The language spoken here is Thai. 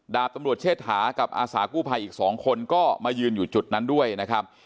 ดาบตำรวจเชษฐากับอาสากู้ภัยอีก๒คนก็มายืนอยู่จุดนั้นด้วยนะครับ